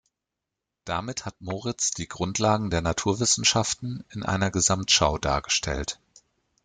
Damit hat Moritz die Grundlagen der Naturwissenschaften in einer Gesamtschau dargestellt.